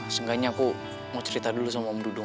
seenggaknya aku mau cerita dulu sama om dudung